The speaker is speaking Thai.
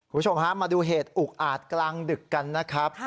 คุณผู้ชมฮะมาดูเหตุอุกอาจกลางดึกกันนะครับ